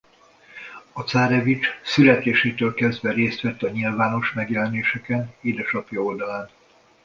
A cárevics születésétől kezdve részt vett a nyilvános megjelenéseken édesapja oldalán.